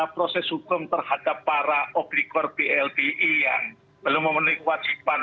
proses hukum terhadap para obligor blbi yang belum memenuhi kewajiban